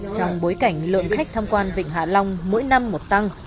trong bối cảnh lượng khách tham quan vịnh hạ long mỗi năm một tăng